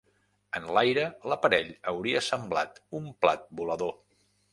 En l'aire, l'aparell hauria semblat un plat volador.